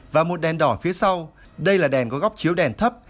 và một đèn đỏ phía sau đây là đèn có góc chiếu đèn thấp